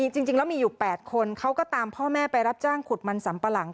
จริงแล้วมีอยู่๘คนเขาก็ตามพ่อแม่ไปรับจ้างขุดมันสัมปะหลัง